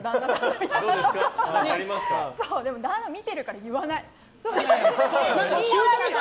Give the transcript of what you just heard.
見てるから言わない。